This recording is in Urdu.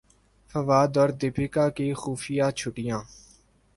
فواد اور دپیکا کی خفیہ چھٹیاں